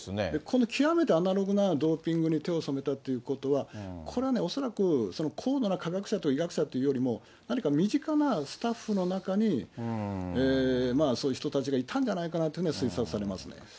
この極めてアナログなドーピングに手を染めたっていうことは、これはね、恐らく、高度な科学者とか医学者というよりも、何か身近なスタッフの中に、そういう人たちがいたんじゃないかなというふうに推察されますね。